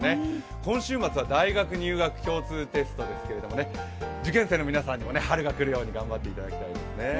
今週末は大学入学共通テストですけれどもね受験生の皆さんにも春が来るように頑張っていただきたいですね。